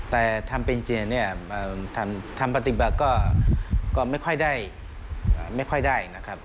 แต่ทำเป็นเจนทำปฏิบัติก็ไม่ค่อยได้นะครับ